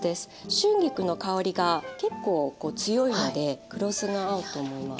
春菊の香りが結構強いので黒酢が合うと思います。